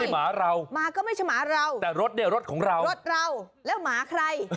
หมาเราหมาก็ไม่ใช่หมาเราแต่รถเนี่ยรถของเรารถเราแล้วหมาใคร